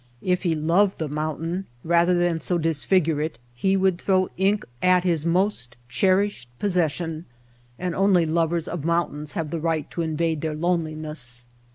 If he loved the mountain, rather than so disfigure it, he would throw ink at his most cherished possession; and only lovers of mountains have the right to invade their lone liness.